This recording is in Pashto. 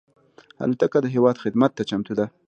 الوتکه د هېواد خدمت ته چمتو ده.